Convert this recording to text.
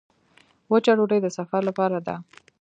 وچه ډوډۍ د سفر لپاره ده.